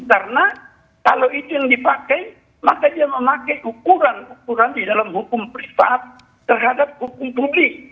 karena kalau itu yang dipakai maka dia memakai ukuran ukuran di dalam hukum privat terhadap hukum publik